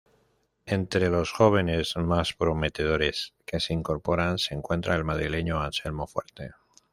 Entre los jóvenes más prometedores que se incorporan se encuentra el madrileño Anselmo Fuerte.